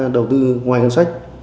đầu tư ngoài ngân sách